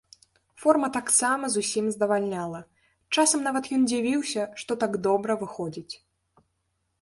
Форма таксама зусім здавальняла, часам нават ён дзівіўся, што так добра выходзіць.